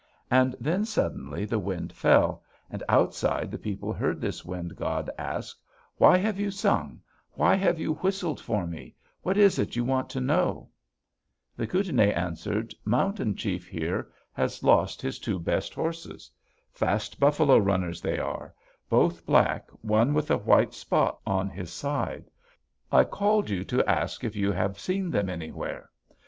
And then, suddenly, the wind fell, and outside the people heard this wind god ask: 'Why have you sung why have you whistled for me what is it you want to know?' "The Kootenai answered: 'Mountain Chief, here, has lost his two best horses. Fast buffalo runners they are; both black; one with a white spot on his side. I called you to ask if you have seen them anywhere?'